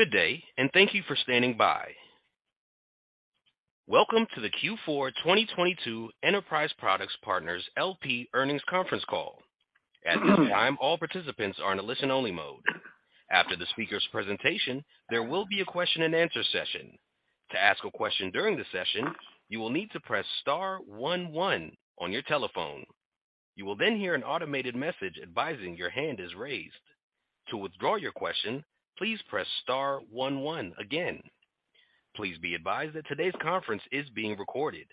Good day, and thank you for standing by. Welcome to the Q4 2022 Enterprise Products Partners L.P. Earnings Conference Call. At this time, all participants are in a listen-only mode. After the speaker's presentation, there will be a question-and-answer session. To ask a question during the session, you will need to press star one one on your telephone. You will then hear an automated message advising your hand is raised. To withdraw your question, please press star one one again. Please be advised that today's conference is being recorded.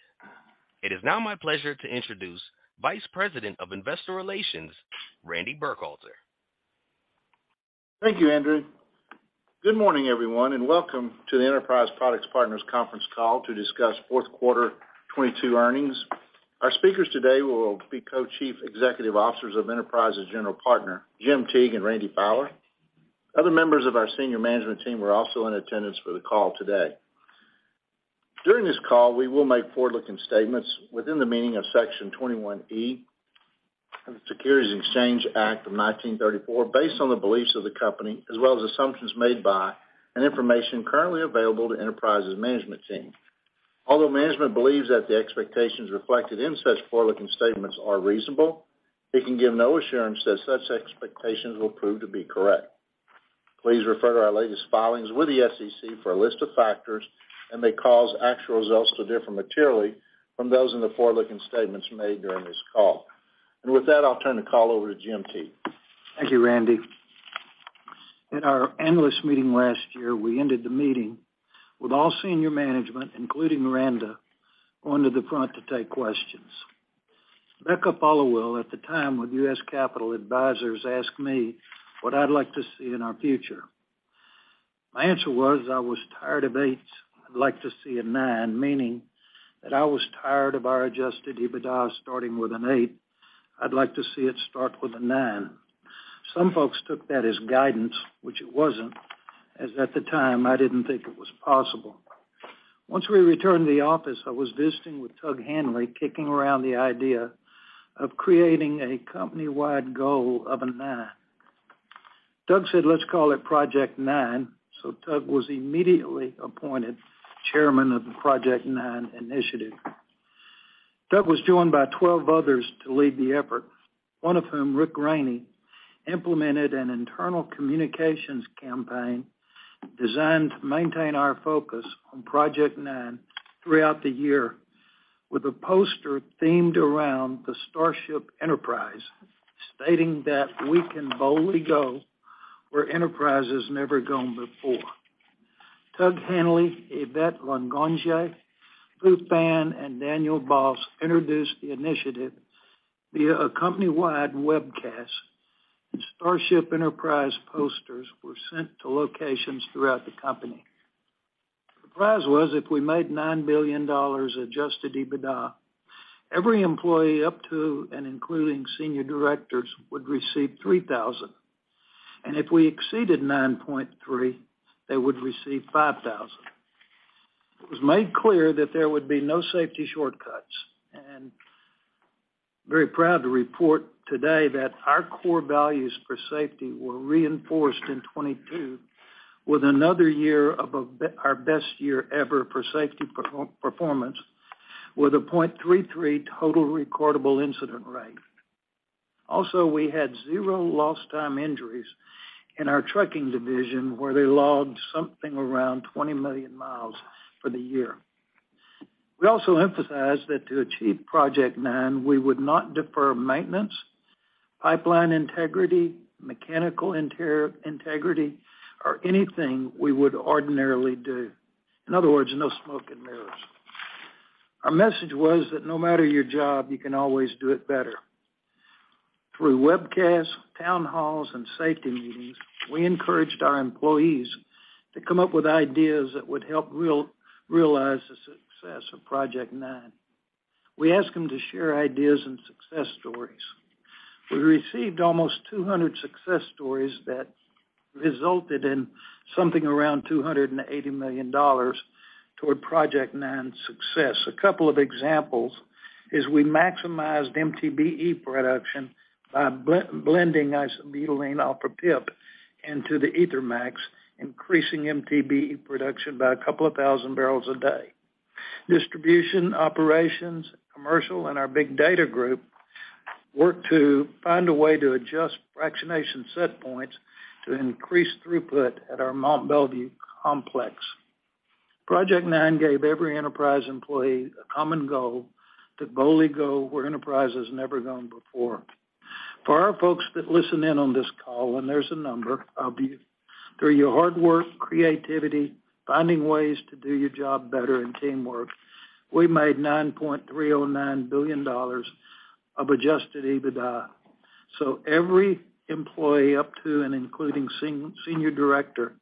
It is now my pleasure to introduce Vice President of Investor Relations, Randy Burkhalter. Thank you, Andrew. Welcome to the Enterprise Products Partners Conference Call to discuss fourth quarter 2022 earnings. Our speakers today will be Co-Chief Executive Officers of Enterprise's General Partner, Jim Teague and Randy Fowler. Other members of our senior management team are also in attendance for the call today. During this call, we will make forward-looking statements within the meaning of Section 21E of the Securities Exchange Act of 1934 based on the beliefs of the company as well as assumptions made by and information currently available to Enterprise's management team. Although management believes that the expectations reflected in such forward-looking statements are reasonable, it can give no assurance that such expectations will prove to be correct. Please refer to our latest filings with the SEC for a list of factors and may cause actual results to differ materially from those in the forward-looking statements made during this call. With that, I'll turn the call over to Jim Teague. Thank you, Randy. At our analyst meeting last year, we ended the meeting with all senior management, including Miranda, onto the front to take questions. Becca Followill, at the time with U.S. Capital Advisors, asked me what I'd like to see in our future. My answer was I was tired of eight. I'd like to see a nine, meaning that I was tired of our Adjusted EBITDA starting with an eight. I'd like to see it start with a nine. Some folks took that as guidance, which it wasn't, as at the time I didn't think it was possible. Once we returned to the office, I was visiting with Tug Hanley, kicking around the idea of creating a company-wide goal of a nine. Tug said, "Let's call it Project Nine." Tug was immediately appointed chairman of the Project Nine initiative. Tug was joined by 12 others to lead the effort, one of whom, Rick Rainey, implemented an internal communications campaign designed to maintain our focus on Project Nine throughout the year with a poster themed around the Starship Enterprise, stating that we can boldly go where Enterprise has never gone before. Tug Hanley, Yvette Longonje, Ruth Barth, and Daniel Boss introduced the initiative via a company-wide webcast, and Starship Enterprise posters were sent to locations throughout the company. The prize was if we made $9 billion Adjusted EBITDA, every employee up to and including senior directors would receive $3,000. If we exceeded 9.3, they would receive $5,000. It was made clear that there would be no safety shortcuts. I'm very proud to report today that our core values for safety were reinforced in 2022 with another year of our best year ever for safety performance with a 0.33 total recordable incident rate. Also, we had zero lost time injuries in our trucking division, where they logged something around 20 million miles for the year. We also emphasized that to achieve Project Nine, we would not defer maintenance, pipeline integrity, mechanical integrity, or anything we would ordinarily do. In other words, no smoke and mirrors. Our message was that no matter your job, you can always do it better. Through webcasts, town halls, and safety meetings, we encouraged our employees to come up with ideas that would help realize the success of Project Nine. We asked them to share ideas and success stories. We received almost 200 success stories that resulted in something around $280 million toward Project Nine success. A couple of examples is we maximized MTBE production by blending Isobutylene alpha PIB into the EtherMAX, increasing MTBE production by a couple of thousand barrels a day. Distribution, operations, commercial, and our big data group worked to find a way to adjust fractionation set points to increase throughput at our Mont Belvieu complex. Project Nine gave every Enterprise employee a common goal to boldly go where Enterprise has never gone before. For our folks that listen in on this call, and there's a number of you, through your hard work, creativity, finding ways to do your job better, and teamwork, we made $9.309 billion of Adjusted EBITDA. Every employee up to and including senior director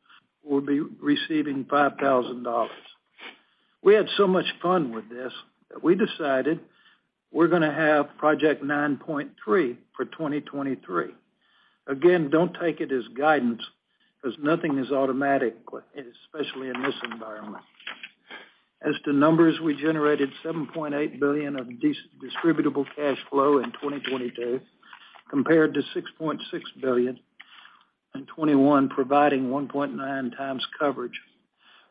will be receiving $5,000. We had so much fun with this that we decided we're gonna have Project 9.3 For 2023. Again, don't take it as guidance because nothing is automatic, especially in this environment. As to numbers, we generated $7.8 billion of distributable cash flow in 2022 compared to $6.6 billion in 2021, providing 1.9 times coverage.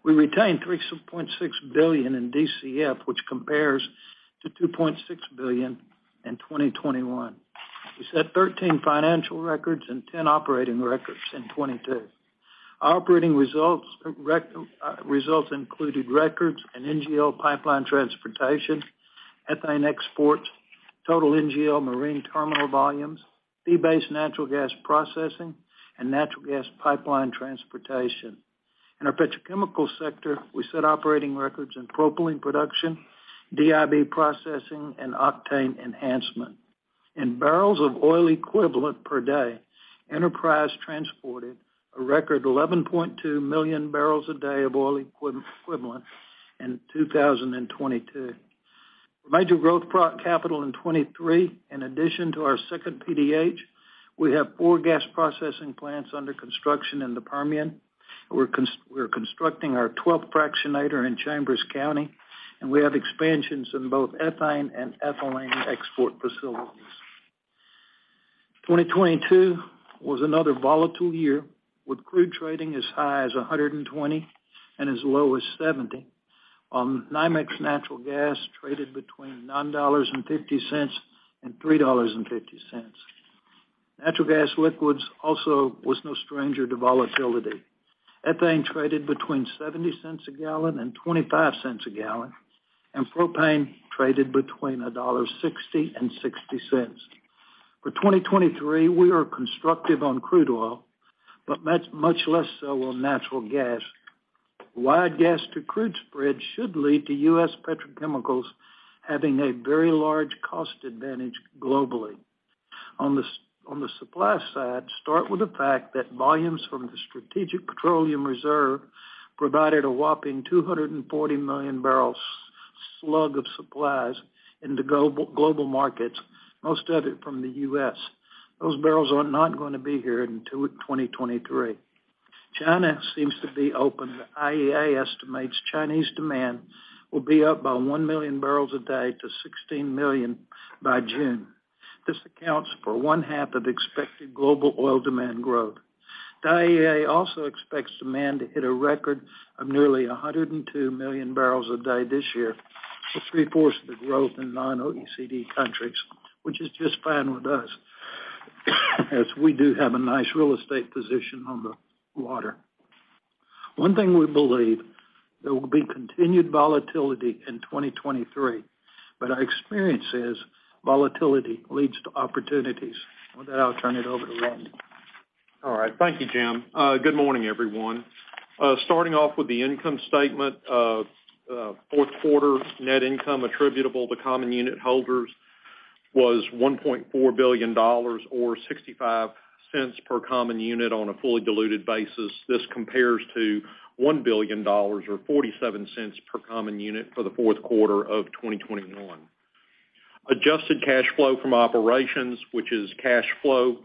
We retained $3.6 billion in DCF, which compares to $2.6 billion in 2021. We set 13 financial records and 10 operating records in 2022. Our operating results included records in NGL pipeline transportation, ethane exports, total NGL marine terminal volumes, fee-based natural gas processing and natural gas pipeline transportation. In our petrochemical sector, we set operating records in propylene production, DIB processing and octane enhancement. In barrels of oil equivalent per day, Enterprise transported a record 11.2 million barrels a day of oil equivalent in 2022. Major growth capital in 2023, in addition to our second PDH, we have four gas processing plants under construction in the Permian. We're constructing our 12th fractionator in Chambers County, and we have expansions in both ethane and ethylene export facilities. 2022 was another volatile year with crude trading as high as 120 and as low as 70. NYMEX Natural Gas traded between $9.50 and $3.50. Natural gas liquids also was no stranger to volatility. Ethane traded between $0.70 a gallon and $0.25 a gallon, and propane traded between $1.60 and $0.60. For 2023, we are constructive on crude oil, but much, much less so on natural gas. Wide gas to crude spread should lead to U.S. Petrochemicals having a very large cost advantage globally. On the supply side, start with the fact that volumes from the Strategic Petroleum Reserve provided a whopping 240 million barrel slug of supplies in the global markets, most of it from the U.S. Those barrels are not gonna be here until 2023. China seems to be open. The IEA estimates Chinese demand will be up by 1 million barrels a day to 16 million by June. This accounts for one half of expected global oil demand growth. The IEA also expects demand to hit a record of nearly 102 million barrels a day this year, with three-fourths of the growth in non-OECD countries, which is just fine with us as we do have a nice real estate position on the water. One thing we believe, there will be continued volatility in 2023. Our experience says volatility leads to opportunities. With that, I'll turn it over to Randy. All right. Thank you, Jim. Good morning, everyone. Starting off with the income statement. fourth quarter net income attributable to common unit holders was $1.4 billion or $0.65 per common unit on a fully diluted basis. This compares to $1 billion or $0.47 per common unit for the fourth quarter of 2021. Adjusted cash flow from operations, which is cash flow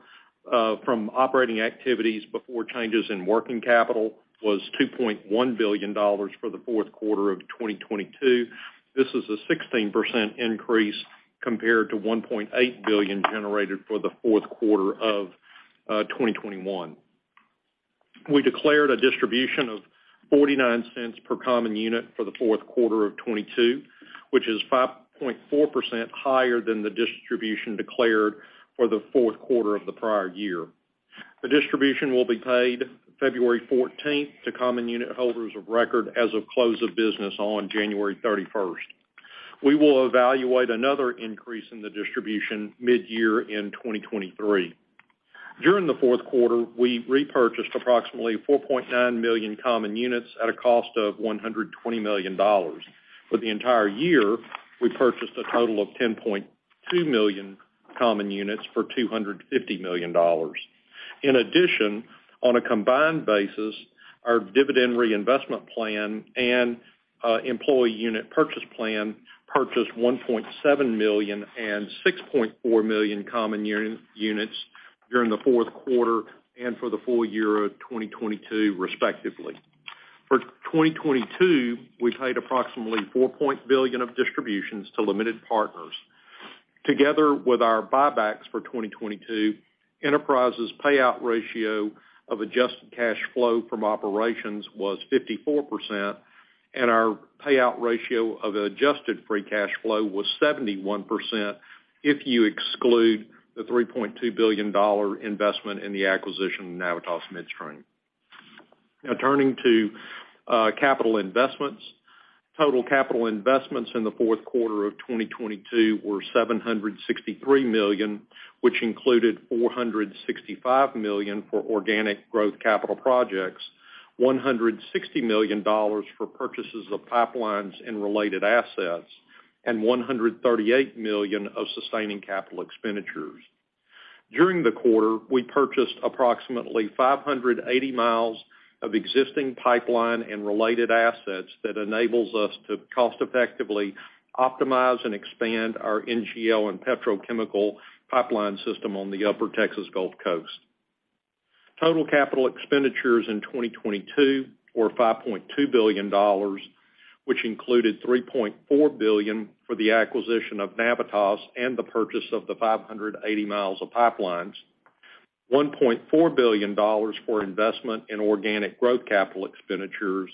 from operating activities before changes in working capital, was $2.1 billion for the fourth quarter of 2022. This is a 16% increase compared to $1.8 billion generated for the fourth quarter of 2021. We declared a distribution of $0.49 per common unit for the fourth quarter of 2022, which is 5.4% higher than the distribution declared for the fourth quarter of the prior year. The distribution will be paid February 14th to common unit holders of record as of close of business on January 31st. We will evaluate another increase in the distribution mid-year in 2023. During the fourth quarter, we repurchased approximately 4.9 million common units at a cost of $120 million. For the entire year, we purchased a total of 10.2 million common units for $250 million. In addition, on a combined basis, our dividend reinvestment plan and employee unit purchase plan purchased 1.7 million and 6.4 million common units during the fourth quarter and for the full year of 2022, respectively. For 2022, we paid approximately $4 point billion of distributions to limited partners. Together with our buybacks for 2022, Enterprise's payout ratio of adjusted cash flow from operations was 54%, and our payout ratio of adjusted free cash flow was 71% if you exclude the $3.2 billion investment in the acquisition of Navitas Midstream. Turning to capital investments. Total capital investments in the fourth quarter of 2022 were $763 million, which included $465 million for organic growth capital projects, $160 million for purchases of pipelines and related assets, and $138 million of sustaining capital expenditures. During the quarter, we purchased approximately 580 miles of existing pipeline and related assets that enables us to cost-effectively optimize and expand our NGL and petrochemical pipeline system on the Upper Texas Gulf Coast. Total capital expenditures in 2022 were $5.2 billion, which included $3.4 billion for the acquisition of Navitas and the purchase of the 580 miles of pipelines, $1.4 billion for investment in organic growth capital expenditures,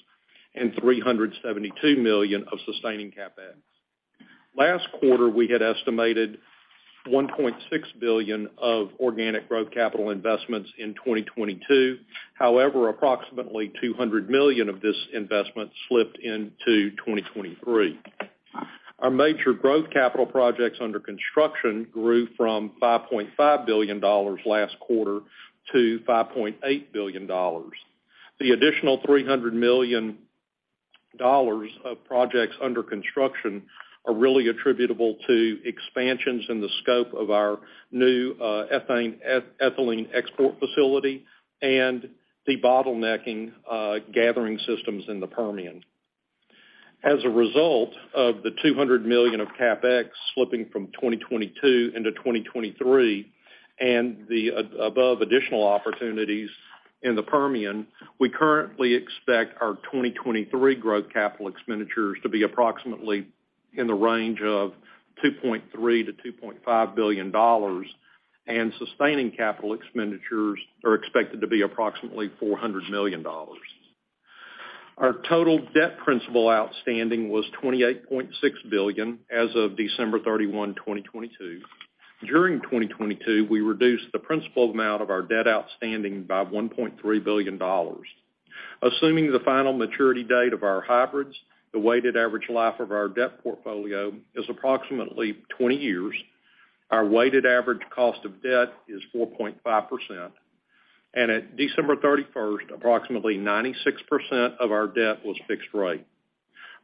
and $372 million of sustaining CapEx. Last quarter, we had estimated $1.6 billion of organic growth capital investments in 2022. However, approximately $200 million of this investment slipped into 2023. Our major growth capital projects under construction grew from $5.5 billion last quarter to $5.8 billion. The additional $300 million of projects under construction are really attributable to expansions in the scope of our new ethylene export facility and the bottlenecking gathering systems in the Permian. As a result of the $200 million of CapEx slipping from 2022 into 2023 and the above additional opportunities in the Permian, we currently expect our 2023 growth capital expenditures to be approximately in the range of $2.3 billion-$2.5 billion, and sustaining capital expenditures are expected to be approximately $400 million. Our total debt principal outstanding was $28.6 billion as of December 31, 2022. During 2022, we reduced the principal amount of our debt outstanding by $1.3 billion. Assuming the final maturity date of our hybrids, the weighted average life of our debt portfolio is approximately 20 years. Our weighted average cost of debt is 4.5%. At December 31st, approximately 96% of our debt was fixed rate.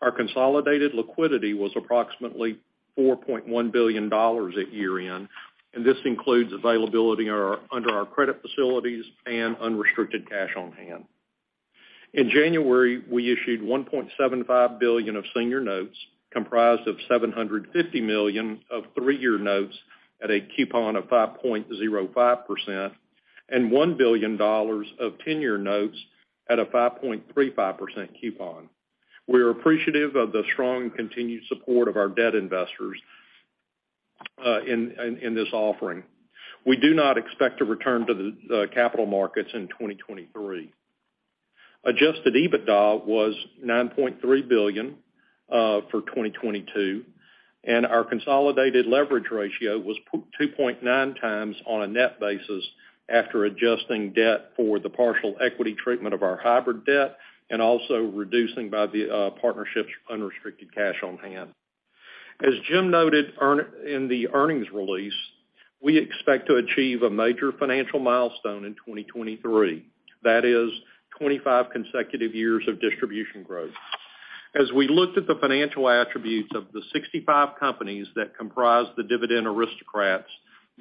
Our consolidated liquidity was approximately $4.1 billion at year-end, and this includes availability under our credit facilities and unrestricted cash on hand. In January, we issued $1.75 billion of senior notes, comprised of $750 million of three year notes at a coupon of 5.05% and $1 billion of tenure notes at a 5.35% coupon. We are appreciative of the strong continued support of our debt investors in this offering. We do not expect to return to the capital markets in 2023. Adjusted EBITDA was $9.3 billion for 2022, our consolidated leverage ratio was 2.9x on a net basis after adjusting debt for the partial equity treatment of our hybrid debt and also reducing by the partnership's unrestricted cash on hand. As Jim noted in the earnings release, we expect to achieve a major financial milestone in 2023. That is 25 consecutive years of distribution growth. We looked at the financial attributes of the 65 companies that comprise the dividend aristocrats,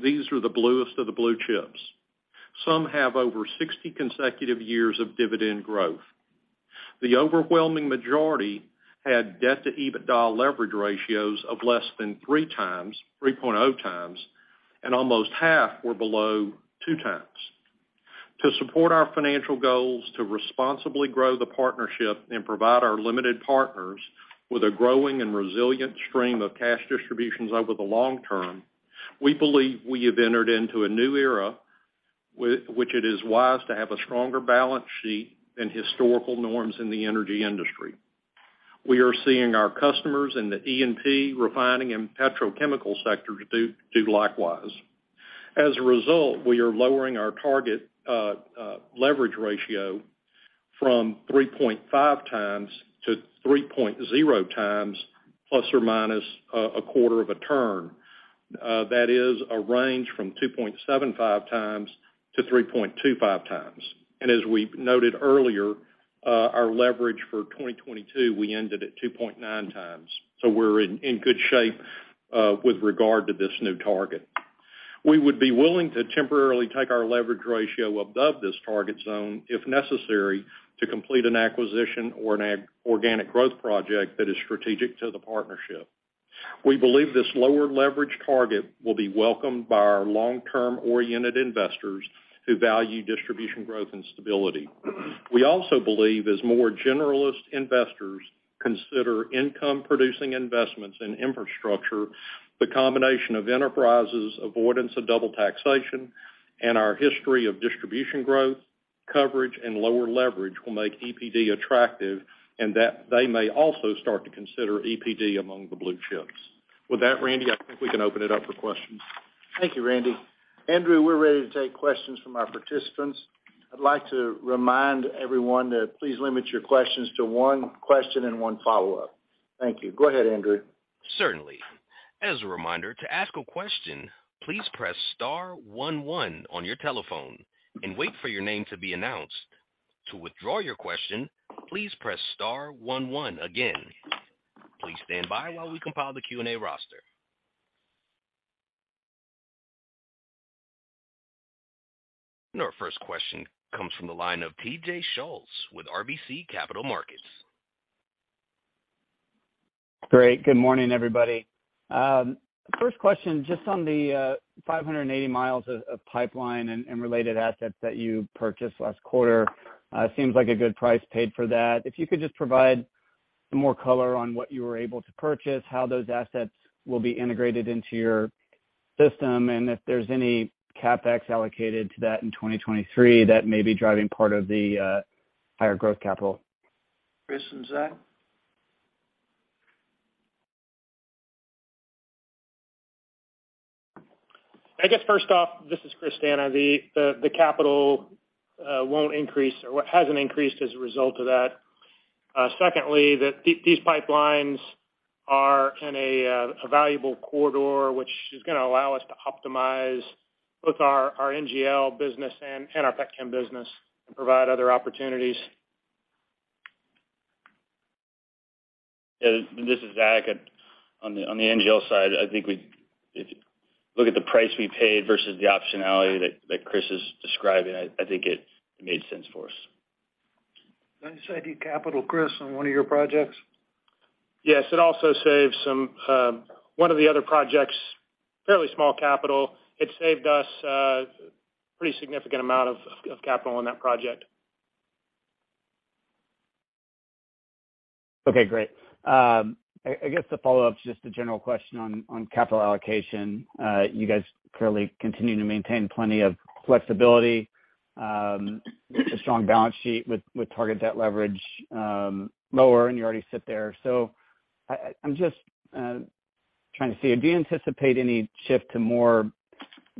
these are the bluest of the blue chips. Some have over 60 consecutive years of dividend growth. The overwhelming majority had debt-to-EBITDA leverage ratios of less than 3x, 3.0x, almost half were below 2x. To support our financial goals to responsibly grow the partnership and provide our limited partners with a growing and resilient stream of cash distributions over the long term, we believe we have entered into a new era which it is wise to have a stronger balance sheet than historical norms in the energy industry. We are seeing our customers in the E&P refining and petrochemical sectors do likewise. As a result, we are lowering our target leverage ratio from 3.5x to 3.0x ± a quarter of a turn. That is a range from 2.75x to 3.25x. As we noted earlier, our leverage for 2022, we ended at 2.9x. We're in good shape with regard to this new target. We would be willing to temporarily take our leverage ratio above this target zone, if necessary, to complete an acquisition or organic growth project that is strategic to the partnership. We believe this lower leverage target will be welcomed by our long-term oriented investors who value distribution growth and stability. We also believe as more generalist investors consider income-producing investments in infrastructure, the combination of Enterprise, avoidance of double taxation, and our history of distribution growth, coverage, and lower leverage will make EPD attractive and that they may also start to consider EPD among the blue chips. Randy, I think we can open it up for questions. Thank you, Randy. Andrew, we're ready to take questions from our participants. I'd like to remind everyone to please limit your questions to one question and one follow-up. Thank you. Go ahead, Andrew. Certainly. As a reminder, to ask a question, please press star one one on your telephone and wait for your name to be announced. To withdraw your question, please press star one one again. Please stand by while we compile the Q&A roster. Our first question comes from the line of TJ Schultz with RBC Capital Markets. Great. Good morning, everybody. First question, just on the 580 miles of pipeline and related assets that you purchased last quarter, seems like a good price paid for that. If you could just provide some more color on what you were able to purchase, how those assets will be integrated into your system, and if there's any CapEx allocated to that in 2023 that may be driving part of the higher growth capital. Chris and Zach? I guess, first off, this is Chris D'Anna. The capital won't increase or hasn't increased as a result of that. Secondly, these pipelines are in a valuable corridor, which is gonna allow us to optimize both our NGL business and our pet chem business and provide other opportunities. Yeah, this is Zach. On the NGL side, I think if you look at the price we paid versus the optionality that Chris is describing, I think it made sense for us. Didn't I save you capital, Chris, on one of your projects? Yes. It also saved some one of the other projects, fairly small capital. It saved us pretty significant amount of capital on that project. Okay, great. I guess the follow-up is just a general question on capital allocation. You guys clearly continue to maintain plenty of flexibility, a strong balance sheet with target debt leverage, lower, and you already sit there. I'm just trying to see. Do you anticipate any shift to more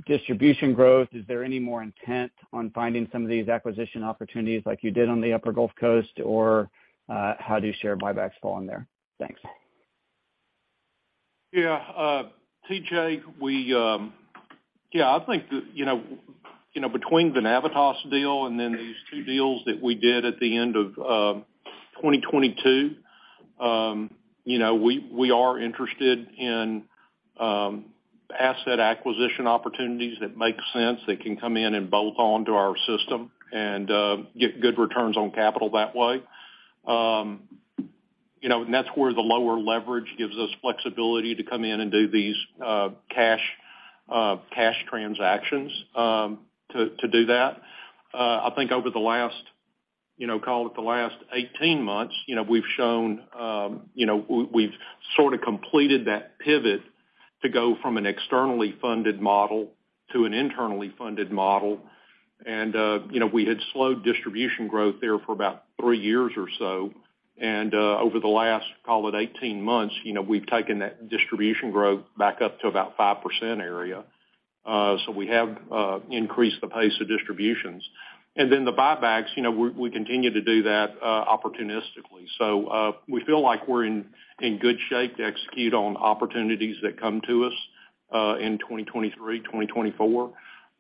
distribution growth? Is there any more intent on finding some of these acquisition opportunities like you did on the Upper Gulf Coast? How do share buybacks fall in there? Thanks. Yeah. TJ, I think that, you know, between the Navitas deal and then these two deals that we did at the end of 2022, you know, we are interested in asset acquisition opportunities that make sense, that can come in and bolt on to our system and get good returns on capital that way. You know, that's where the lower leverage gives us flexibility to come in and do these cash transactions to do that. I think over the last, you know, call it the last 18 months, you know, we've shown, you know, we've sort of completed that pivot to go from an externally funded model to an internally funded model. You know, we had slowed distribution growth there for about three years or so. Over the last, call it 18 months, you know, we've taken that distribution growth back up to about 5% area. We have increased the pace of distributions. The buybacks, you know, we continue to do that opportunistically. We feel like we're in good shape to execute on opportunities that come to us in 2023, 2024.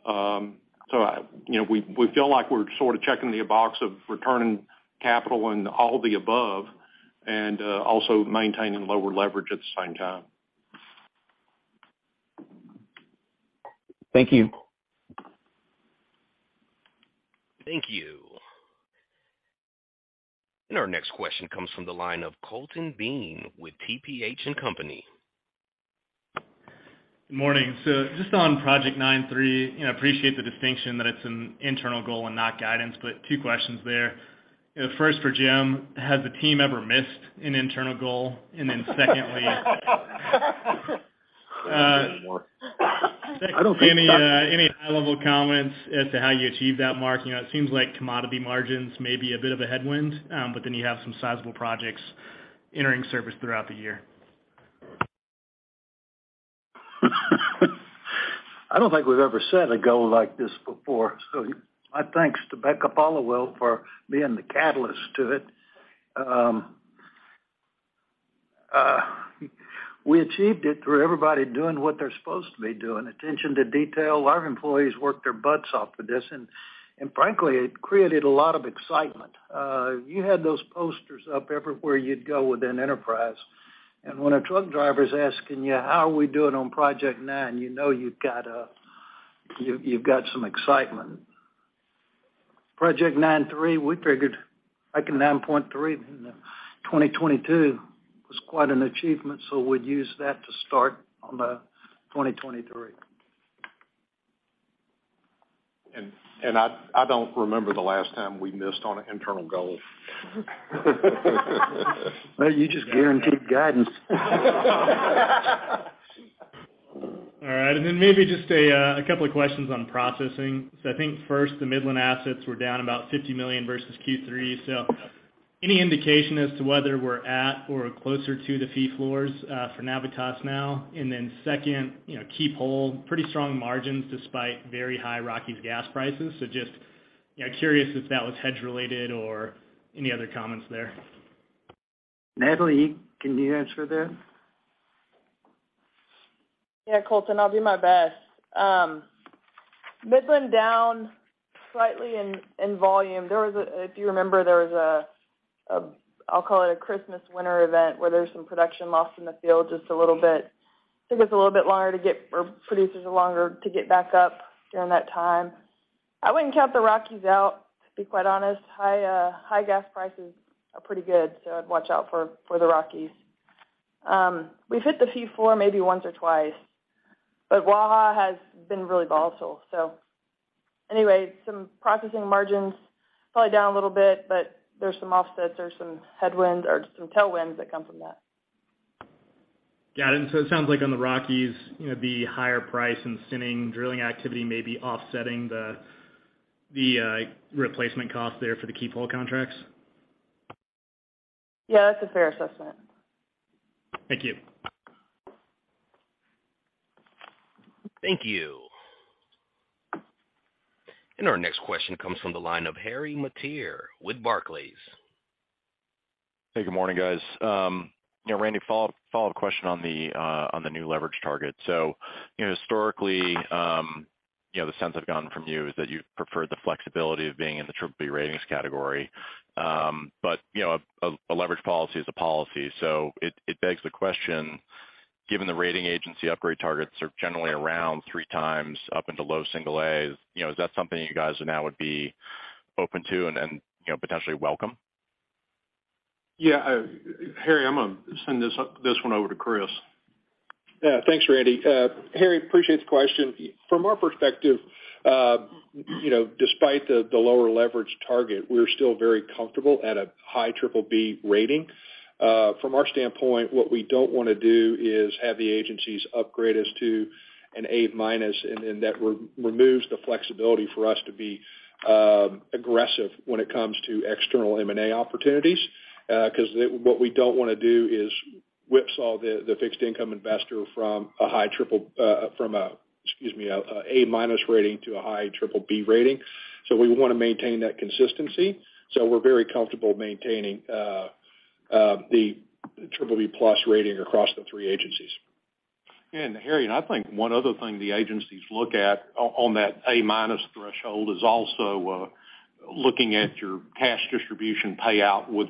You know, we feel like we're sort of checking the box of returning capital and all the above and also maintaining lower leverage at the same time. Thank you. Thank you. Our next question comes from the line of Colton Bean with TPH&Co. Good morning. Just on Project 9.3, you know, appreciate the distinction that it's an internal goal and not guidance, two questions there. First for Jim, has the team ever missed an internal goal? Never anymore. I don't think so. Any, any high-level comments as to how you achieve that mark? You know, it seems like commodity margins may be a bit of a headwind, but then you have some sizable projects entering service throughout the year. I don't think we've ever set a goal like this before, my thanks to Becca Followill for being the catalyst to it. We achieved it through everybody doing what they're supposed to be doing, attention to detail. Our employees worked their butts off for this, and frankly, it created a lot of excitement. You had those posters up everywhere you'd go within Enterprise. When a truck driver is asking you, "How are we doing on Project Nine?" You know you've got some excitement. Project Nine Three, we figured making 9.3 in 2022 was quite an achievement, we'd use that to start on the 2023. I don't remember the last time we missed on an internal goal. Well, you just guaranteed guidance. All right. Maybe just a couple of questions on processing. I think first, the Midland assets were down about $50 million versus Q3. Any indication as to whether we're at or closer to the fee floors for Navitas now? Second, you know, keep whole, pretty strong margins despite very high Rockies gas prices. Just, you know, curious if that was hedge related or any other comments there. Natalie, can you answer that? Yeah, Colton, I'll do my best. Midland down slightly in volume. If you remember, there was a Christmas winter event where there was some production loss in the field just a little bit. Took us a little bit longer to get or producers longer to get back up during that time. I wouldn't count the Rockies out, to be quite honest. High gas prices are pretty good, I'd watch out for the Rockies. We've hit the fee for maybe once or twice, Waha has been really volatile. Anyway, some processing margins probably down a little bit, there's some offsets or some headwinds or some tailwinds that come from that. Got it. It sounds like on the Rockies, you know, the higher price and sending drilling activity may be offsetting the replacement cost there for the key pole contracts. Yeah, that's a fair assessment. Thank you. Thank you. Our next question comes from the line of Harry Mateer with Barclays. Hey, good morning, guys. You know, Randy, follow-up question on the new leverage target. You know, historically, you know, the sense I've gotten from you is that you prefer the flexibility of being in the BBB ratings category. You know, a leverage policy is a policy, so it begs the question, given the rating agency upgrade targets are generally around 3x up into low single A's, you know, is that something you guys now would be open to and, you know, potentially welcome? Yeah, Harry, I'm gonna send this one over to Chris. Yeah. Thanks, Randy. Harry, appreciate the question. From our perspective, you know, despite the lower leverage target, we're still very comfortable at a high BBB rating. From our standpoint, what we don't wanna do is have the agencies upgrade us to an A-minus, and then that removes the flexibility for us to be aggressive when it comes to external M&A opportunities. Because what we don't wanna do is whipsaw the fixed income investor from a, excuse me, A-minus rating to a high BBB rating. We wanna maintain that consistency. We're very comfortable maintaining the BBB plus rating across the three agencies. Harry, I think one other thing the agencies look at on that A-minus threshold is also looking at your cash distribution payout with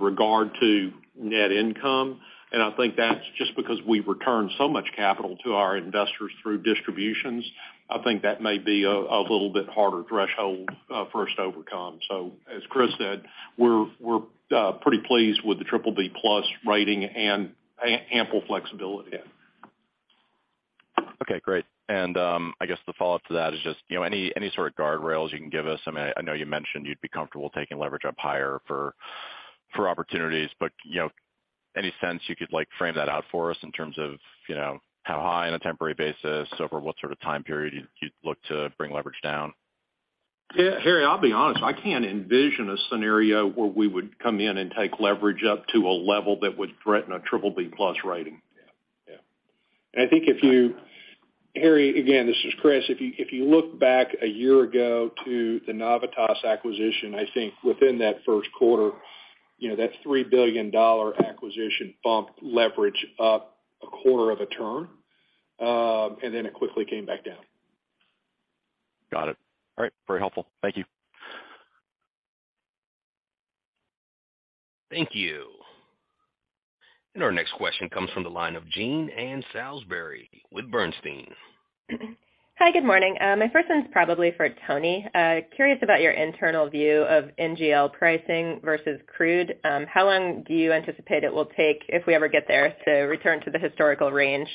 regard to net income. I think that's just because we return so much capital to our investors through distributions, I think that may be a little bit harder threshold first to overcome. As Chris said, we're pretty pleased with the BBB plus rating and ample flexibility. Okay, great. I guess the follow-up to that is just, you know, any sort of guardrails you can give us. I mean, I know you mentioned you'd be comfortable taking leverage up higher for opportunities, but, you know, any sense you could, like, frame that out for us in terms of, you know, how high on a temporary basis over what sort of time period you'd look to bring leverage down? Harry, I'll be honest, I can't envision a scenario where we would come in and take leverage up to a level that would threaten a BBB plus rating. Yeah. Harry, again, this is Chris. If you look back a year ago to the Navitas acquisition, I think within that first quarter, you know, that $3 billion acquisition bumped leverage up a quarter of a turn, and then it quickly came back down. Got it. All right, very helpful. Thank you. Thank you. Our next question comes from the line of Jean Ann Salisbury with Bernstein. Hi, good morning. My first one is probably for Tony. Curious about your internal view of NGL pricing versus crude. How long do you anticipate it will take if we ever get there to return to the historical range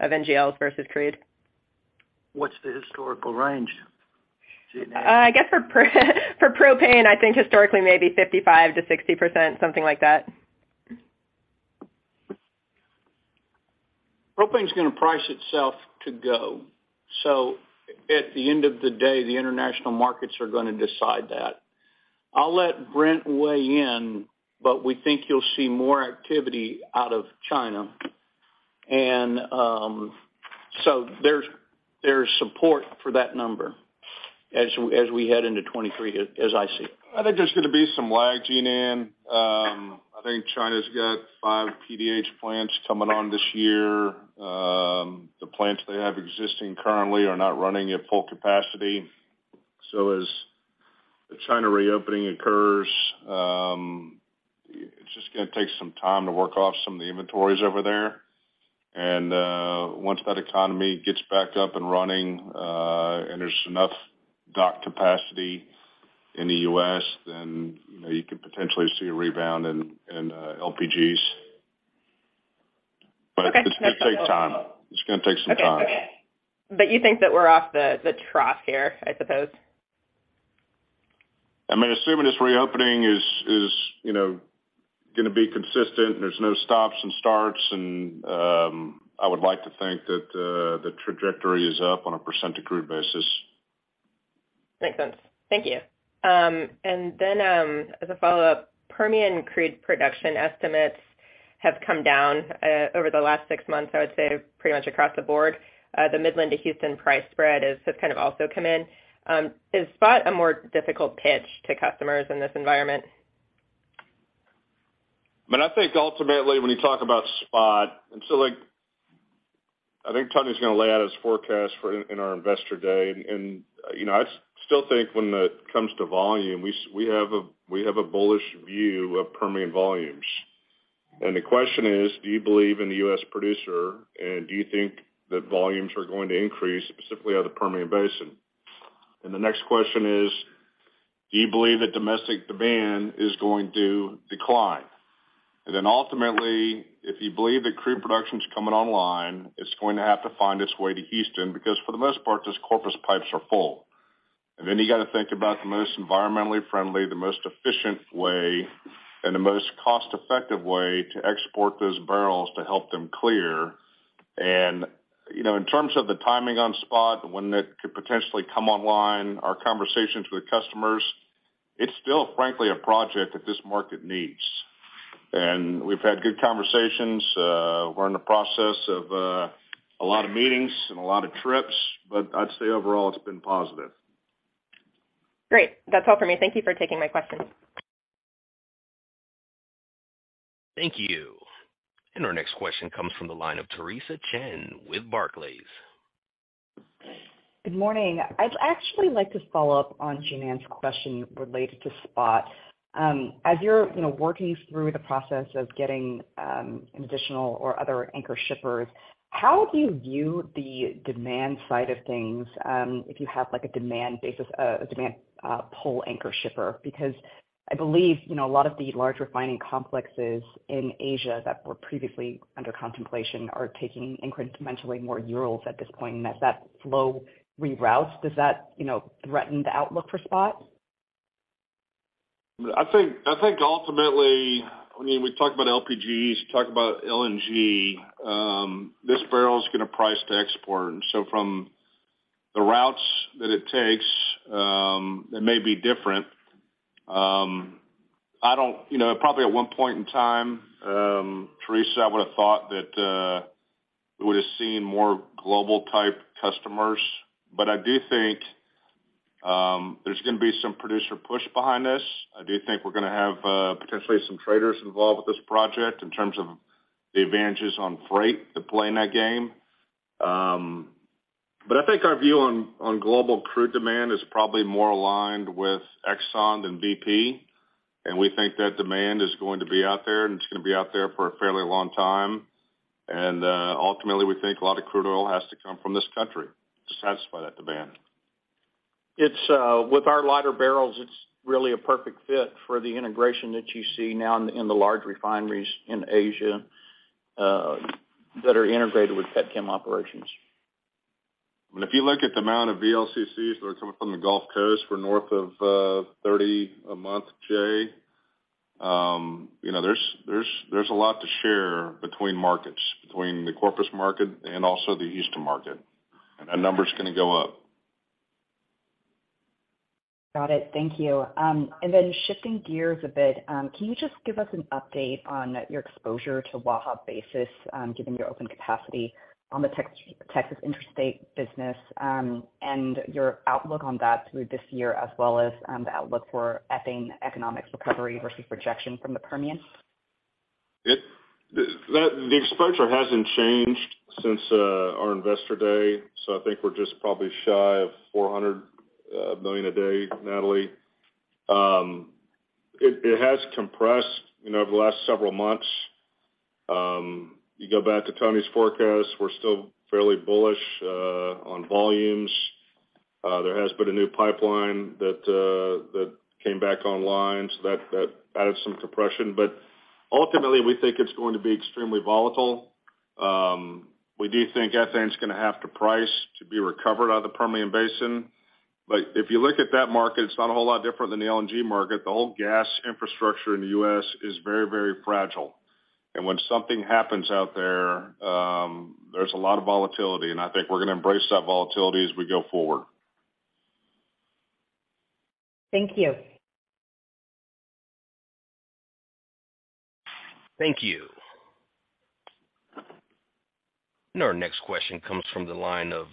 of NGLs versus crude? What's the historical range, Jean Ann? I guess for propane, I think historically maybe 55%-60%, something like that. Propane is gonna price itself to go. At the end of the day, the international markets are gonna decide that. I'll let Brent weigh in, but we think you'll see more activity out of China. There's support for that number as we head into 23, as I see it. I think there's gonna be some lag, Jean Ann. I think China's got five PDH plants coming on this year. The plants they have existing currently are not running at full capacity. As the China reopening occurs, it's just gonna take some time to work off some of the inventories over there. Once that economy gets back up and running, and there's enough dock capacity in the US, then, you know, you could potentially see a rebound in LPGs. Okay. It's gonna take time. It's gonna take some time. Okay. You think that we're off the trough here, I suppose? I mean, assuming this reopening is, you know, gonna be consistent, there's no stops and starts, and I would like to think that the trajectory is up on a % accrued basis. Makes sense. Thank you. As a follow-up, Permian crude production estimates have come down, over the last six months, I would say pretty much across the board. The Midland to Houston price spread has kind of also come in. Is spot a more difficult pitch to customers in this environment? I mean, I think ultimately when you talk about spot, and so, like, I think Tony's gonna lay out his forecast in our investor day. You know, I still think when it comes to volume, we have a, we have a bullish view of Permian volumes. The question is: Do you believe in the U.S. producer, and do you think that volumes are going to increase specifically on the Permian Basin? The next question is: Do you believe that domestic demand is going to decline? Ultimately, if you believe that crude production is coming online, it's going to have to find its way to Houston, because for the most part, those Corpus pipes are full. Then you got to think about the most environmentally friendly, the most efficient way, and the most cost-effective way to export those barrels to help them clear. You know, in terms of the timing on spot and when that could potentially come online, our conversations with customers, it's still, frankly, a project that this market needs. We've had good conversations. We're in the process of a lot of meetings and a lot of trips, but I'd say overall, it's been positive. Great. That's all for me. Thank you for taking my questions. Thank you. Our next question comes from the line of Theresa Chen with Barclays. Good morning. I'd actually like to follow up on Jean Ann question related to spot. As you're, you know, working through the process of getting additional or other anchor shippers, how do you view the demand side of things, if you have, like, a demand pull anchor shipper? I believe, you know, a lot of the large refining complexes in Asia that were previously under contemplation are taking incrementally more Urals at this point, and as that flow reroutes, does that, you know, threaten the outlook for spot? I think ultimately, I mean, we've talked about LPGs, we've talked about LNG. This barrel is gonna price to export. And so from the routes that it takes, it may be different. I don't... You know, probably at one point in time, Theresa, I would have thought that we would have seen more global-type customers. But I do think there's gonna be some producer push behind this. I do think we're gonna have potentially some traders involved with this project in terms of the advantages on freight to play in that game. I think our view on global crude demand is probably more aligned with Exxon than BP. And we think that demand is going to be out there, and it's gonna be out there for a fairly long time. Ultimately, we think a lot of crude oil has to come from this country to satisfy that demand. It's, with our lighter barrels, it's really a perfect fit for the integration that you see now in the large refineries in Asia, that are integrated with petchem operations. if you look at the amount of VLCCs that are coming from the Gulf Coast, we're north of 30 a month, Chen. you know, there's a lot to share between markets, between the Corpus market and also the Houston market. that number's gonna go up. Got it. Thank you. Shifting gears a bit, can you just give us an update on your exposure to Waha basis, given your open capacity on the Texas Intrastate System, and your outlook on that through this year, as well as, the outlook for ethane economics recovery versus rejection from the Permian? The exposure hasn't changed since our investor day. I think we're just probably shy of $400 million a day, Natalie. It has compressed, you know, over the last several months. You go back to Tony's forecast, we're still fairly bullish on volumes. There has been a new pipeline that came back online, that added some compression. Ultimately, we think it's going to be extremely volatile. We do think ethane is gonna have to price to be recovered out of the Permian Basin. If you look at that market, it's not a whole lot different than the LNG market. The whole gas infrastructure in the U.S. is very, very fragile. When something happens out there's a lot of volatility, and I think we're gonna embrace that volatility as we go forward. Thank you. Thank you. Our next question comes from the line of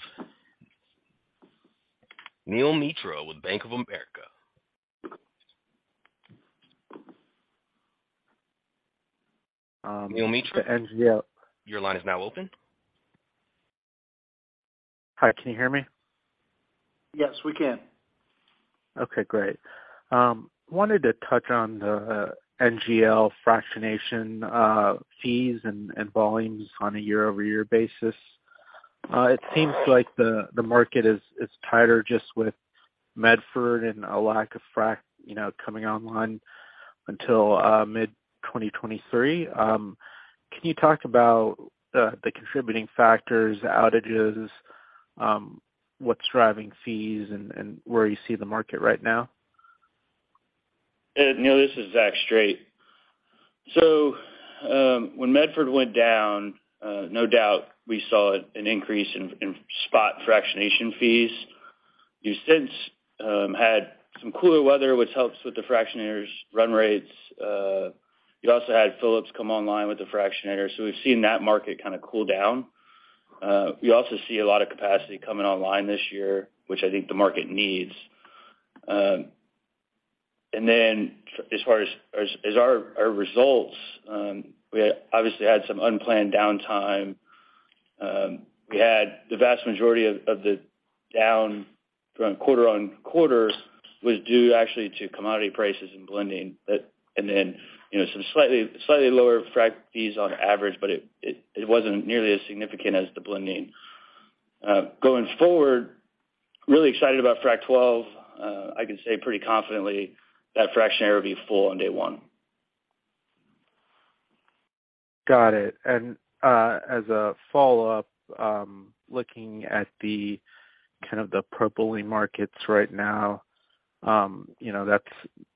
Neel Mitra with Bank of America. Neel Mitra, your line is now open. Hi, can you hear me? Yes, we can. Okay, great. Wanted to touch on the NGL fractionation fees and volumes on a year-over-year basis. It seems like the market is tighter just with Medford and a lack of frack, you know, coming online until mid-2023. Can you talk about the contributing factors, outages, what's driving fees and where you see the market right now? Neel, this is Zach Strait. When Medford went down, no doubt, we saw an increase in spot fractionation fees. We since had some cooler weather, which helps with the fractionators' run rates. You also had Phillips 66 come online with the fractionators, so we've seen that market kinda cool down. We also see a lot of capacity coming online this year, which I think the market needs. As far as our results, we obviously had some unplanned downtime We had the vast majority of the down around quarter-on-quarter was due actually to commodity prices and blending that and then, you know, some slightly lower frac fees on average, but it wasn't nearly as significant as the blending. Going forward, really excited about Frac 12. I can say pretty confidently that fractionator will be full on day one. Got it. As a follow-up, looking at the kind of the propylene markets right now, you know, that's,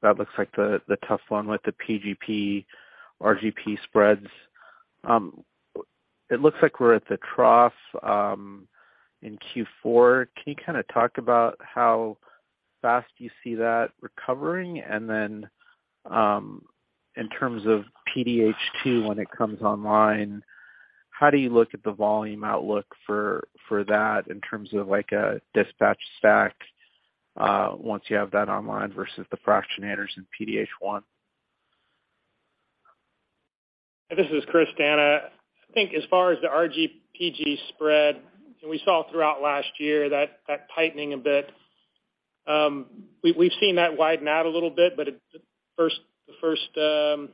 that looks like the tough one with the PGP, RGP spreads. It looks like we're at the trough in Q4. Can you kinda talk about how fast you see that recovering? In terms of PDH 2, when it comes online, how do you look at the volume outlook for that in terms of like a dispatch stack once you have that online versus the fractionators in PDH 1? This is Chris D'Anna. I think as far as the RGPG spread, we saw throughout last year that tightening a bit. We've seen that widen out a little bit, but it, the first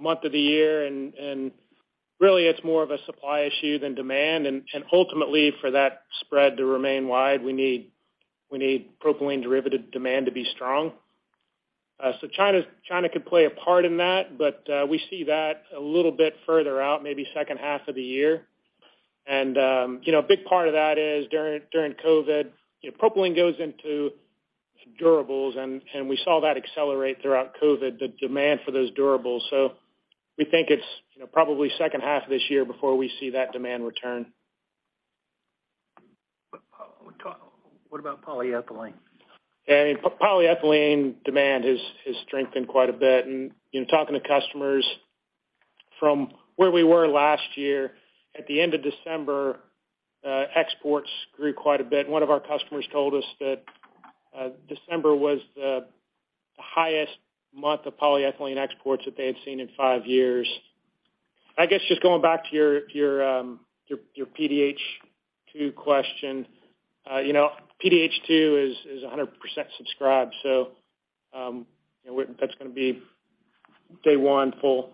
month of the year, really it's more of a supply issue than demand. Ultimately, for that spread to remain wide, we need propylene derivative demand to be strong. China could play a part in that, but we see that a little bit further out, maybe second half of the year. You know, a big part of that is during COVID, you know, propylene goes into durables and we saw that accelerate throughout COVID, the demand for those durables. We think it's, you know, probably second half of this year before we see that demand return. What about polyethylene? Yeah. Polyethylene demand has strengthened quite a bit. In talking to customers from where we were last year, at the end of December, exports grew quite a bit. One of our customers told us that December was the highest month of polyethylene exports that they had seen in five years. I guess just going back to your PDH 2 question. You know, PDH 2 is 100% subscribed, you know, that's gonna be day one full.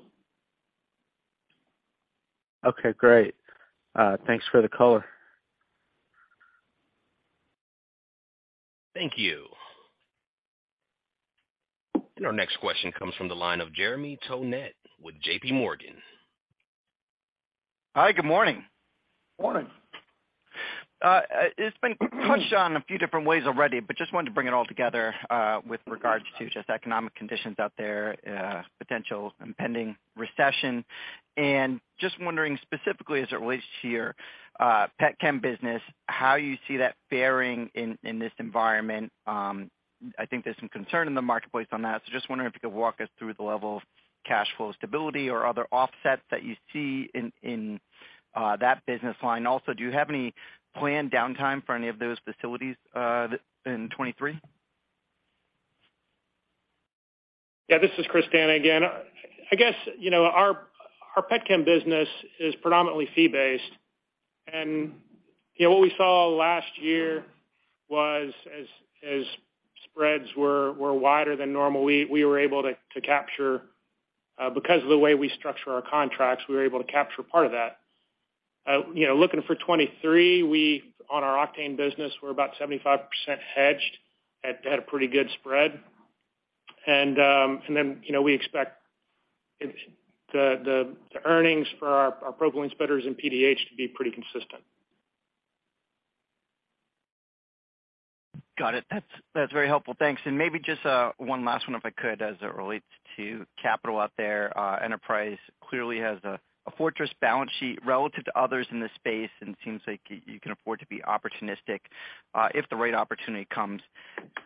Okay, great. Thanks for the color. Thank you. Our next question comes from the line of Jeremy Tonet with J.P. Morgan. Hi. Good morning. Morning. It's been touched on a few different ways already. Just wanted to bring it all together with regards to just economic conditions out there, potential impending recession. Just wondering specifically as it relates to your pet chem business, how you see that faring in this environment. I think there's some concern in the marketplace on that. Just wondering if you could walk us through the level of cash flow stability or other offsets that you see in that business line. Also, do you have any planned downtime for any of those facilities in 2023? Yeah, this is Chris D'Anna again. I guess, you know, our pet chem business is predominantly fee-based. You know, what we saw last year was as spreads were wider than normal, we were able to capture because of the way we structure our contracts, we were able to capture part of that. You know, looking for 2023, we on our octane business, we're about 75% hedged at a pretty good spread. You know, we expect the earnings for our propylene spreaders and PDH to be pretty consistent. Got it. That's very helpful. Thanks. Maybe just one last one, if I could, as it relates to capital out there. Enterprise clearly has a fortress balance sheet relative to others in this space, and it seems like you can afford to be opportunistic if the right opportunity comes.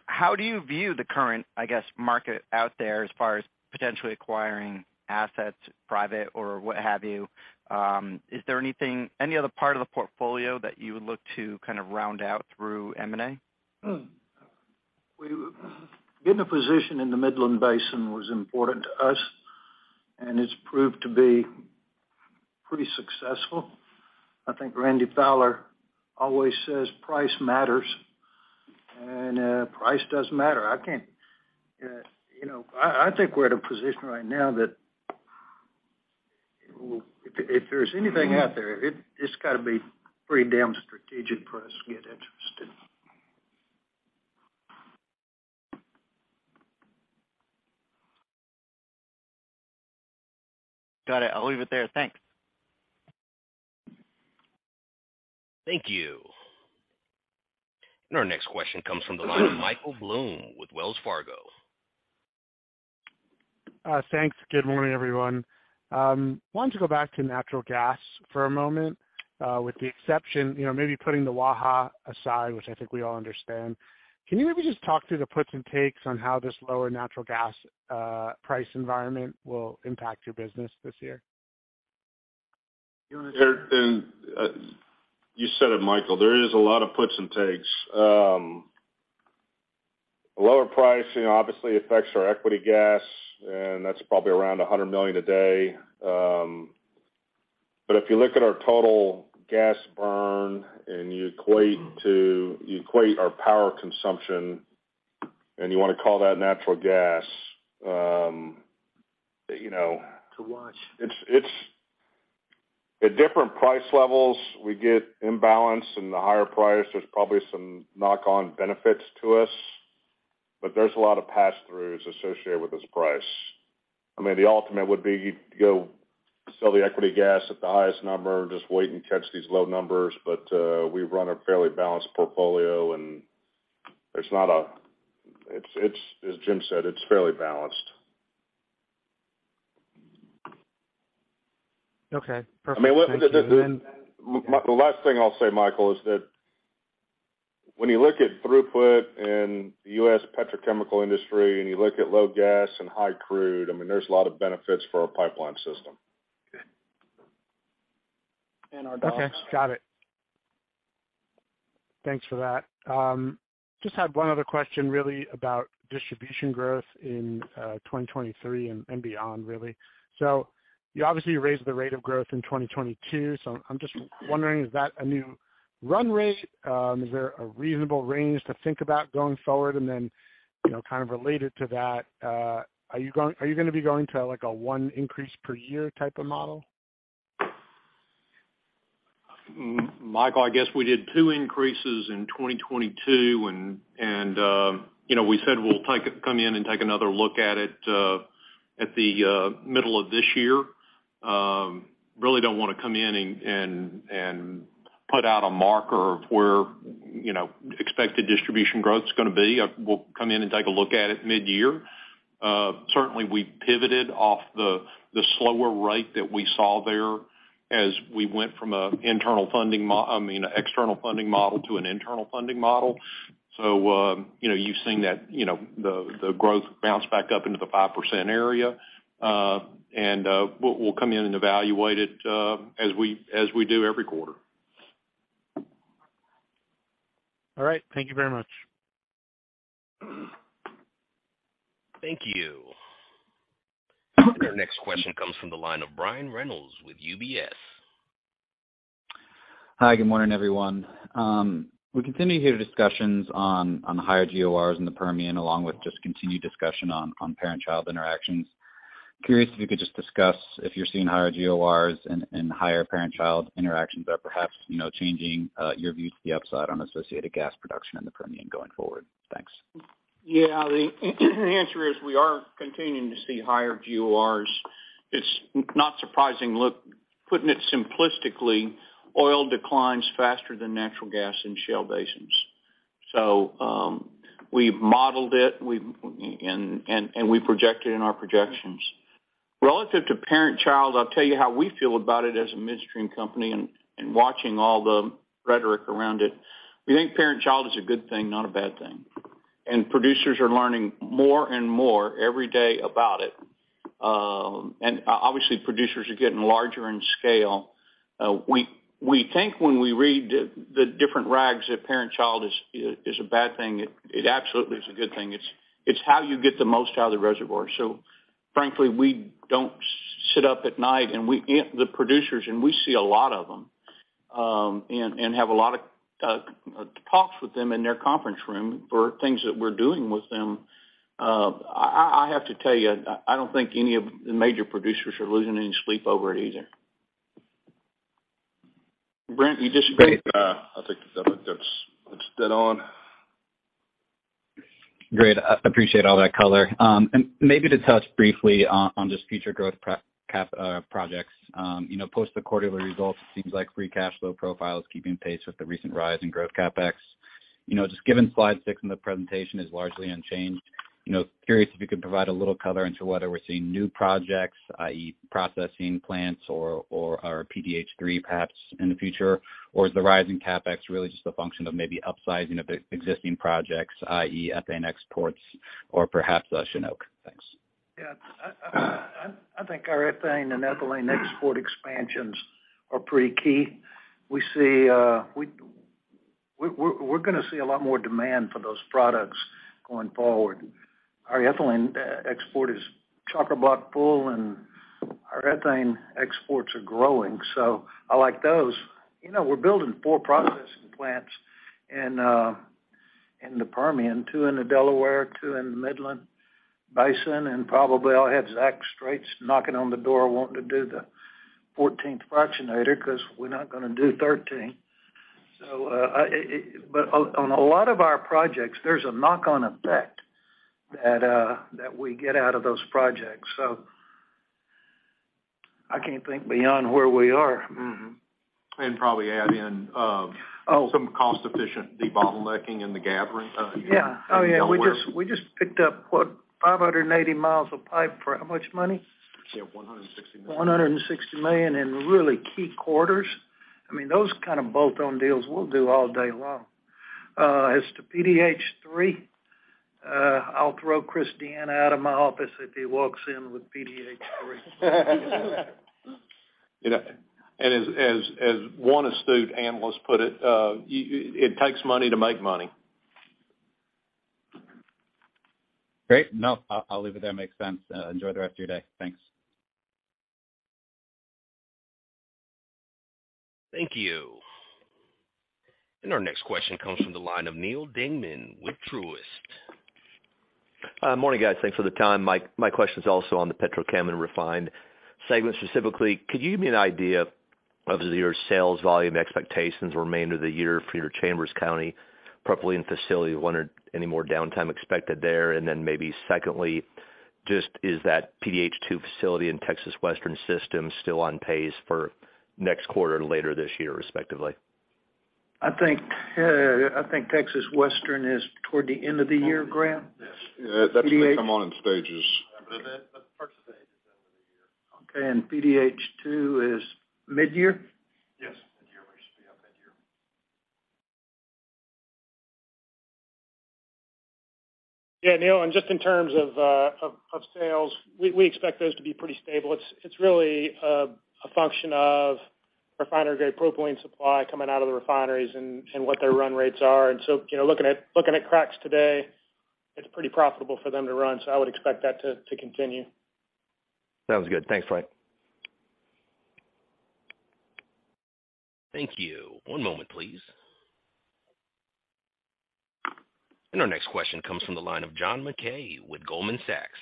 How do you view the current, I guess, market out there as far as potentially acquiring assets, private or what have you? Is there anything, any other part of the portfolio that you would look to kind of round out through M&A? Getting a position in the Midland Basin was important to us, and it's proved to be pretty successful. I think Randy Fowler always says price matters and price does matter. I can't. You know, I think we're at a position right now that if there's anything out there, it's gotta be pretty damn strategic for us to get interested. Got it. I'll leave it there. Thanks. Thank you. Our next question comes from the line of Michael Blum with Wells Fargo. Thanks. Good morning, everyone. Wanted to go back to natural gas for a moment, with the exception, you know, maybe putting the Waha aside, which I think we all understand. Can you maybe just talk through the puts and takes on how this lower natural gas price environment will impact your business this year? You know. You said it, Michael, there is a lot of puts and takes. The lower price, you know, obviously affects our equity gas, and that's probably around $100 million a day. If you look at our total gas burn and you equate our power consumption, and you wanna call that natural gas, you know. To watch. It's at different price levels, we get imbalance in the higher price. There's probably some knock on benefits to us, but there's a lot of pass-throughs associated with this price. I mean, the ultimate would be go sell the equity gas at the highest number, just wait and catch these low numbers. We run a fairly balanced portfolio, and it's not. It's as Jim said, it's fairly balanced. Okay, perfect. Thank you. The last thing I'll say, Michael, is that when you look at throughput in the U.S. petrochemical industry, and you look at low gas and high crude, I mean, there's a lot of benefits for our pipeline system. Okay. Got it. Thanks for that. just had one other question really about distribution growth in 2023 and beyond really. You obviously raised the rate of growth in 2022. I'm just wondering, is that a new run rate? Is there a reasonable range to think about going forward? you know, kind of related to that, are you gonna be going to, like, a one increase per year type of model? Michael, I guess we did two increases in 2022 and, you know, we said we'll come in and take another look at it at the middle of this year. Really don't wanna come in and put out a marker of where, you know, expected distribution growth's gonna be. We'll come in and take a look at it mid-year. Certainly we pivoted off the slower rate that we saw there as we went from an internal funding I mean, external funding model to an internal funding model. You know, you've seen that, you know, the growth bounce back up into the 5% area. We'll come in and evaluate it as we do every quarter. All right. Thank you very much. Thank you. Our next question comes from the line of Brian Reynolds with UBS. Hi, good morning, everyone. We continue to hear discussions on higher GORs in the Permian, along with just continued discussion on parent-child interactions. Curious if you could just discuss if you're seeing higher GORs and higher parent-child interactions are perhaps, you know, changing your views to the upside on associated gas production in the Permian going forward. Thanks. Yeah. The answer is we are continuing to see higher GORs. It's not surprising. Look, putting it simplistically, oil declines faster than natural gas in shale basins. We've modeled it, and we project it in our projections. Relative to parent-child, I'll tell you how we feel about it as a midstream company and watching all the rhetoric around it. We think parent-child is a good thing, not a bad thing. Producers are learning more and more every day about it. Obviously, producers are getting larger in scale. We think when we read the different rags that parent-child is a bad thing. It absolutely is a good thing. It's how you get the most out of the reservoir. Frankly, we don't sit up at night, and we the producers, and we see a lot of them, and have a lot of talks with them in their conference room for things that we're doing with them. I have to tell you, I don't think any of the major producers are losing any sleep over it either. Brent, you disagree? I think that's dead on. Great. I appreciate all that color. Maybe to touch briefly on just future growth cap, projects. Post the quarterly results, it seems like free cash flow profile is keeping pace with the recent rise in growth CapEx. Just given slide 6 in the presentation is largely unchanged, curious if you could provide a little color into whether we're seeing new projects, i.e. processing plants or our PDH 3 perhaps in the future? Is the rise in CapEx really just a function of maybe upsizing of existing projects, i.e. ethane exports or perhaps the Chinook? Thanks. Yeah. I think our ethane and ethylene export expansions are pretty key. We see, we're gonna see a lot more demand for those products going forward. Our ethylene export is chock-a-block full, and our ethane exports are growing, so I like those. You know, we're building four processing plants in the Permian, two in the Delaware, two in the Midland Basin, and probably I'll have Zach Strait knocking on the door wanting to do the 14th fractionator 'cause we're not gonna do 13. But on a lot of our projects, there's a knock-on effect that we get out of those projects. I can't think beyond where we are. Probably add in, some cost-efficient debottlenecking in the gathering, you know. Yeah. Oh, yeah. We just picked up, what, 580 miles of pipe for how much money? Yeah, $160 million. $160 million in really key quarters. I mean, those kind of bolt-on deals we'll do all day long. As to PDH 3, I'll throw Chris D'Anna out of my office if he walks in with PDH 3. You know, as one astute analyst put it takes money to make money. Great. No, I'll leave it there. Makes sense. Enjoy the rest of your day. Thanks. Thank you. Our next question comes from the line of Neal Dingmann with Truist. Morning, guys. Thanks for the time. My question is also on the Petrochem and Refined segment. Specifically, could you give me an idea of your sales volume expectations remainder of the year for your Chambers County propylene facility? Wondering any more downtime expected there? Maybe secondly, just is that PDH 2 facility in Texas Western System still on pace for next quarter to later this year, respectively? I think, I think Texas Western is toward the end of the year, Graham? Yes. That's gonna come on in stages. Okay. PDH 2 is midyear? Yes. Midyear. We should be up midyear. Yeah, Neal, just in terms of sales, we expect those to be pretty stable. It's really a function of refinery-grade propylene supply coming out of the refineries and what their run rates are. You know, looking at cracks today, it's pretty profitable for them to run, so I would expect that to continue. Sounds good. Thanks, guys. Thank you. One moment, please. Our next question comes from the line of John Mackay with Goldman Sachs.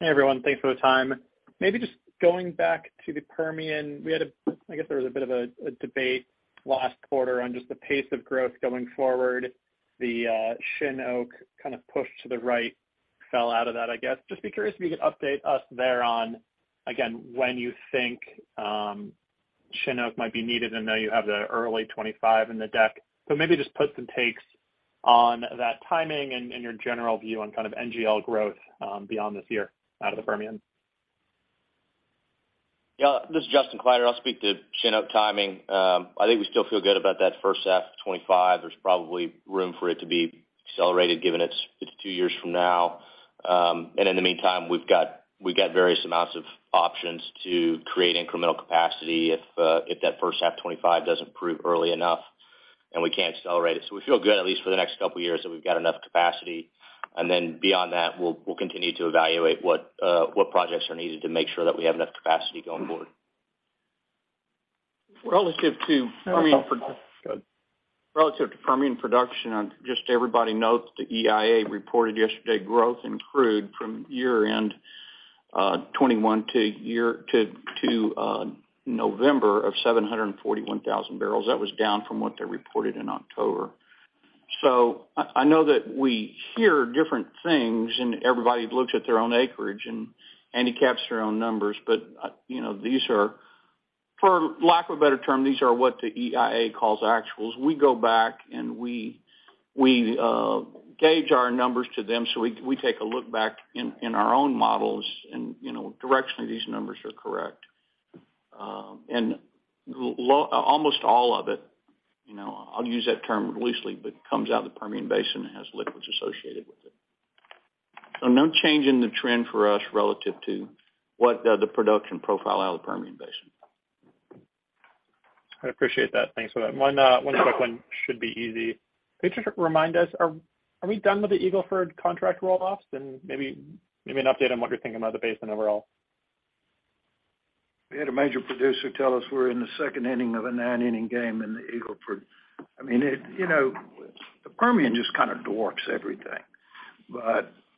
Hey, everyone. Thanks for the time. Just going back to the Permian. I guess there was a bit of a debate last quarter on just the pace of growth going forward. The Shin Oak kind of pushed to the right, fell out of that, I guess. Just be curious if you could update us there on, again, when you think Shin Oak might be needed, and I know you have the early 2025 in the deck. Maybe just put some takes on that timing and your general view on kind of NGL growth beyond this year out of the Permian. Yeah. This is Justin Kleiderer. I'll speak to Shin Oak timing. I think we still feel good about that first half of 2025. There's probably room for it to be accelerated given it's two years from now. In the meantime, we've got various amounts of options to create incremental capacity if that first half 2025 doesn't prove early enough and we can't accelerate it. We feel good at least for the next couple years, that we've got enough capacity. Then beyond that, we'll continue to evaluate what projects are needed to make sure that we have enough capacity going forward. Relative to Permian pro- Go ahead. Relative to Permian production, just everybody notes the EIA reported yesterday growth in crude from year-end '21 to November of 741,000 barrels. That was down from what they reported in October. I know that we hear different things, and everybody looks at their own acreage and handicaps their own numbers. You know, these are, for lack of a better term, these are what the EIA calls actuals. We go back and we gauge our numbers to them. We take a look back in our own models and, you know, directionally, these numbers are correct. Almost all of it, you know, I'll use that term loosely, but comes out of the Permian Basin, has liquids associated with it. No change in the trend for us relative to what the production profile out of the Permian Basin. I appreciate that. Thanks for that. One quick one. Should be easy. Could you just remind us, are we done with the Eagle Ford contract roll-offs? And maybe an update on what you're thinking about the basin overall. We had a major producer tell us we're in the second inning of a nine-inning game in the Eagle Ford. I mean, it, you know, the Permian just kind of dwarfs everything.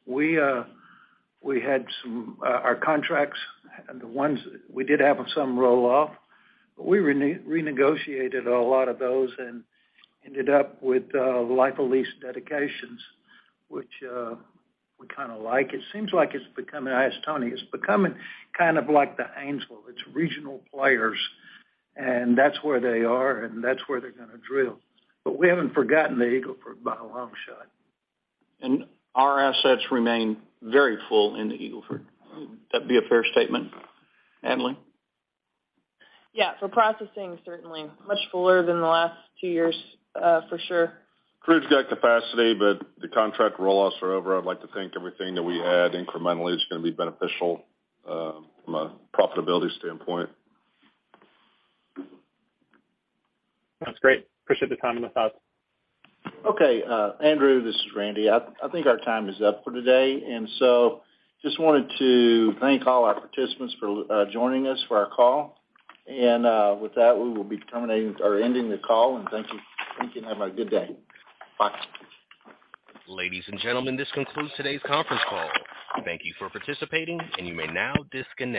We had some our contracts, we did have some roll off, but we renegotiated a lot of those and ended up with life of lease dedications, which we kind of like. It seems like I asked Tony. It's becoming kind of like the Haynesville. It's regional players, and that's where they are, and that's where they're gonna drill. We haven't forgotten the Eagle Ford by a long shot. Our assets remain very full in the Eagle Ford. Would that be a fair statement, Natalie? Yeah. For processing, certainly. Much fuller than the last two years, for sure. Crude's got capacity, but the contract roll-offs are over. I'd like to think everything that we add incrementally is gonna be beneficial from a profitability standpoint. That's great. Appreciate the time and the thoughts. Okay. Andrew, this is Randy. I think our time is up for today, just wanted to thank all our participants for joining us for our call. With that, we will be terminating or ending the call. Thank you. Thank you, and have a good day. Bye. Ladies and gentlemen, this concludes today's conference call. Thank you for participating, and you may now disconnect.